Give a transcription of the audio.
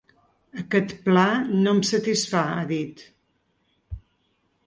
Aquest pla no em satisfà, ha dit.